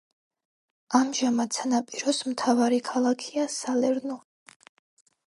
ამჟამად სანაპიროს მთავარი ქალაქია სალერნო.